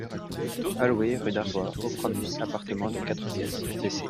A louer, rue d'Artois, au premier, appartement de quatre pièces, W.-C.